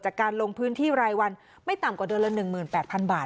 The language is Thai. การลงพื้นที่รายวันไม่ต่ำกว่าเดือนละ๑๘๐๐๐บาท